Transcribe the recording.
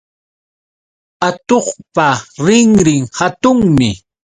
Atuqpa rinrin hatunmi